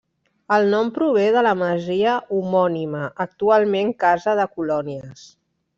El nom prové de la masia homònima, actualment casa de colònies.